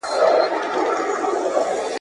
ادبي متن د وخت په تېرېدو سره تغیر کوي.